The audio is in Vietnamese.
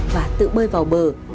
và tự bơi vào bờ